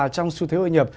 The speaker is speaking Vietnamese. trong xu thế hội nhập